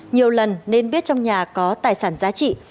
nhiều lần nên biết trong nhà có tài sản giá trị